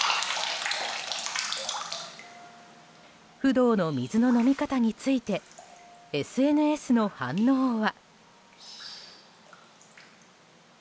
フドウの水の飲み方についてＳＮＳの反応は。